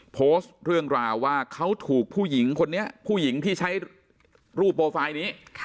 โพสต์เรื่องราวว่าเขาถูกผู้หญิงที่ใช้รูปโปรไฟล์นี้